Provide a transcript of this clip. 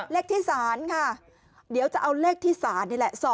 เลขที่๓ค่ะเดี๋ยวจะเอาเลขที่๓นี่แหละ